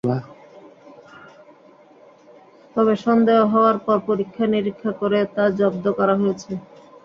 তবে সন্দেহ হওয়ার পর পরীক্ষা নিরীক্ষা করে তা জব্দ করা হয়েছে।